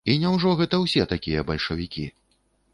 І няўжо гэта ўсе такія бальшавікі?